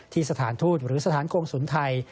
สถานทูตหรือสถานกงศูนย์ไทย